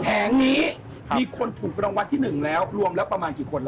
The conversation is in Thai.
แงงนี้มีคนถูกรางวัลที่๑แล้วรวมแล้วประมาณกี่คน